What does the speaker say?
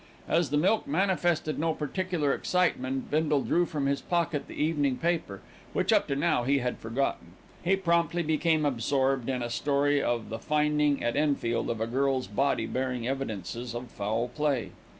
As the milk manifested no particular excitement, Bindle drew from his pocket the evening paper which, up to now, he had forgotten. He promptly became absorbed in a story of the finding at Enfield of a girl's body bearing evidences of foul play.